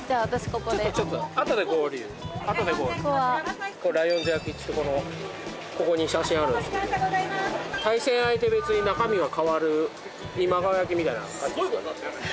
ちょっとちょっとここはこれライオンズ焼きっつってこのここに写真あるんすけど対戦相手別に中身は変わる今川焼きみたいな感じですかね